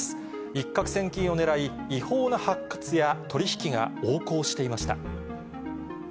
一獲千金をねらい、違法な発掘や取り引きが横行していました。